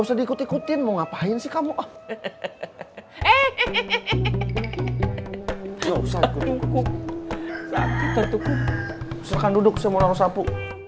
silahkan duduk saya mau larut sapu